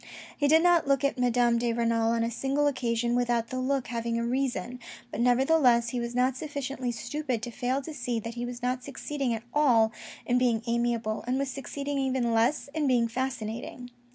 He did not look at Madame de Renal on a single occasion without that look having a reason, but nevertheless he was not sufficiently stupid to fail to see that he was not succeeding at all in being amiable, and was succeeding even less in being fascinating.